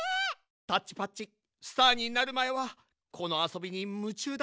タッチパッチスターになるまえはこのあそびにむちゅうだったっち。